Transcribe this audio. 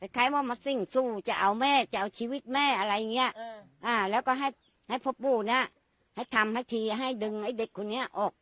ใครว่ามาสิ่งสู้จะเอาแม่จะเอาชีวิตแม่อะไรอย่างเงี้ย